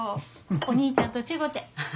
お兄ちゃんと違て。